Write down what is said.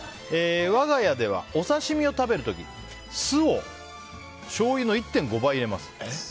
我が家ではお刺し身を食べる時酢をしょうゆの１．５倍入れます。